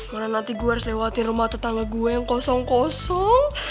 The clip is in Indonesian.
mana nanti gue harus lewati rumah tetangga gue yang kosong kosong